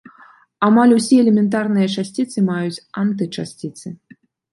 Амаль усе элементарныя часціцы маюць антычасціцы.